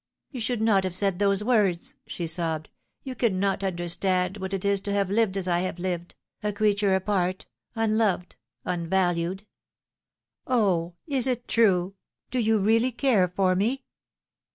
" You should not have said those words," she sobbed. " You cannot understand what it is to have lived as I have lived a creature apart unloved unvalued. O, is it true ? do you really care for me